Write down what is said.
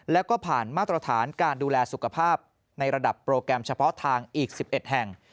แล้วก็ผ่านมาตรฐานการดูแลสุขภาพในระดับโปรแกรมเฉพาะทางอีก๑๑แห่ง